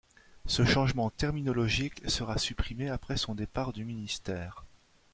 Ce changement terminologique sera supprimé après son départ du ministère.